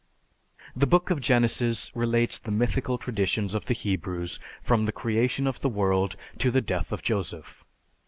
The Book of Genesis relates the mythical traditions of the Hebrews from the creation of the world to the death of Joseph.